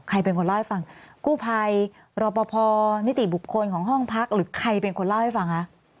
ใครเป็นคนเล่าให้ฟังกู้ภัยรอปภนิติบุคคลของห้องพักหรือใครเป็นคนเล่าให้ฟังคะ